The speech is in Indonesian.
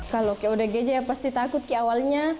kalau ke odgj pasti takut ke awalnya